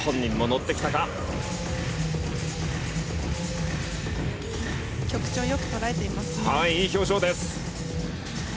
はいいい表情です。